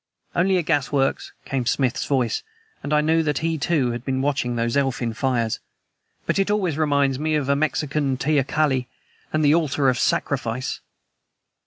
"Only a gasworks," came Smith's voice, and I knew that he, too, had been watching those elfin fires. "But it always reminds me of a Mexican teocalli, and the altar of sacrifice."